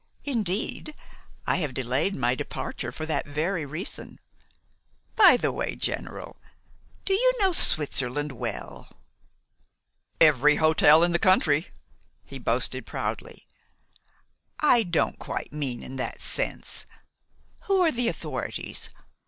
Indeed, I have delayed my departure for that very reason. By the way, General, do you know Switzerland well?" "Every hotel in the country," he boasted proudly. "I don't quite mean in that sense. Who are the authorities?